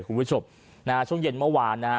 คุณผู้ชมนะฮะช่วงเย็นเมื่อวานนะฮะ